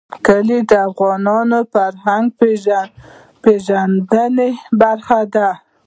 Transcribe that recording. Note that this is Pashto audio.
کلي د افغانانو د فرهنګي پیژندنې برخه ده.